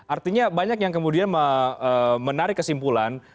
artinya banyak yang kemudian menarik kesimpulan